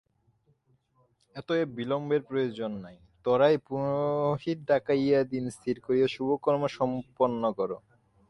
অতএব বিলম্বের প্রয়োজন নাই ত্বরায় পুরোহিত ডাকাইয়া দিন স্থির করিয়া শুভ কর্ম সম্পন্ন কর।